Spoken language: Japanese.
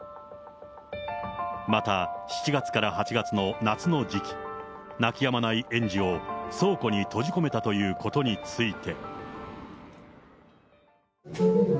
また７月から８月の夏の時期、泣きやまない園児を倉庫に閉じ込めたということについて。